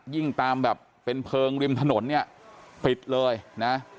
ตามแบบเป็นเพลิงริมถนนเนี่ยปิดเลยนะ